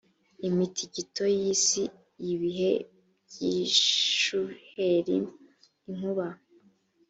imitingito y isi ibihe by ishuheri inkuba